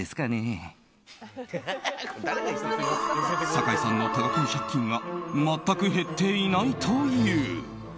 酒井さんの多額の借金全く減っていないという。